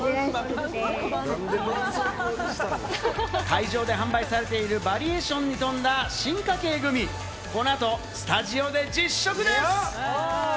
会場で販売されている、バリエーションに富んだ進化系グミ、この後、スタジオで実食です。